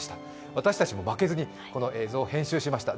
私たちも負けずにこの映像を編集しました。